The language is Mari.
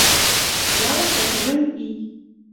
Ялыште — шужен ий.